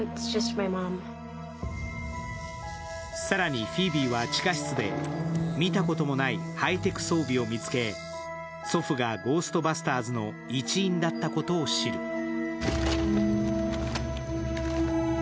更にフィービーは地下室で見たこともないハイテク装備を見つけ祖父がゴーストバスターズの一員だったことを知る。